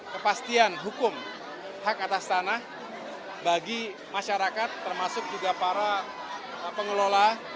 kepastian hukum hak atas tanah bagi masyarakat termasuk juga para pengelola